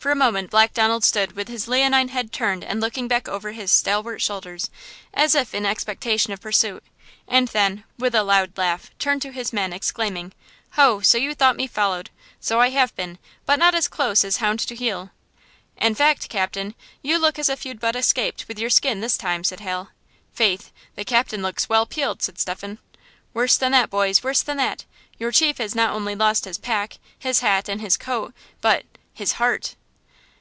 For a moment Black Donald stood with his leonine head turned and looking back over his stalwart shoulders, as if in expectation of pursuit, and then, with a loud laugh, turned to his men, exclaiming: "Ho! you thought me followed! So I have been; but not as close as hound to heel!" "In fact, captain, you look as if you'd but escaped with your skin this time!" said Hal. "Faith! the captain looks well peeled!" said Stephen. "Worse than that, boys! worse than that! Your chief has not only lost his pack, his hat and his coat, but–his heart!